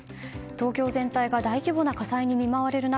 東京全体が大規模な火災に見舞われる中